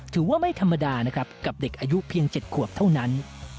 ถือว่าไม่ธรรมดานะครับกับเด็กอายุเพียง๗ขวบเท่านั้น